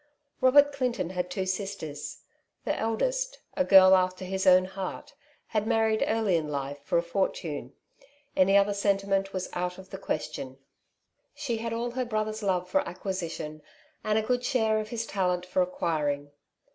Robert Clinton had two sisters. The eldest, a girl after his own heart, had married early in life for a fortune — any other sentiment was out of the question. She had all her brother's love for acqui sition, and a good share of his talent for acquiring.